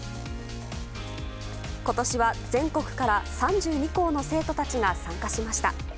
今年は全国から３２校の生徒たちが参加しました。